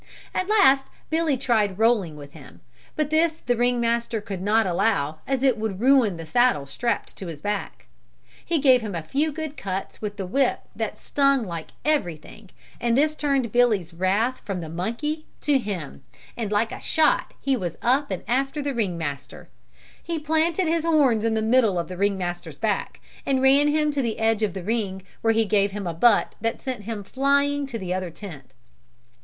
At last Billy tried rolling with him, but this the ring master could not allow as it would ruin the saddle strapped to his back. He gave him a few good cuts with the whip that stung like everything and this turned Billy's wrath from the monkey to him, and like a shot he was up and after the ring master. He planted his horns in the middle of the ring master's back and ran him to the edge of the ring where he gave him a butt that sent him flying to the other tent.